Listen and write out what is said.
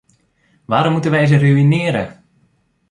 Waarom moeten wij ze ruïneren?